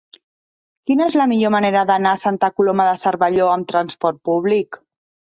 Quina és la millor manera d'anar a Santa Coloma de Cervelló amb trasport públic?